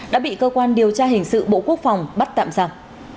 đã bị cơ quan điều tra hình sự bộ quốc phòng bắt tạm giặc